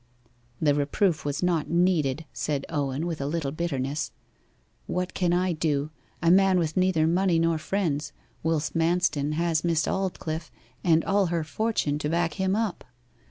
'The reproof was not needed,' said Owen, with a little bitterness. 'What can I do a man with neither money nor friends whilst Manston has Miss Aldclyffe and all her fortune to back him up?